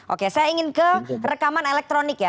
oke saya ingin ke rekaman elektronik ya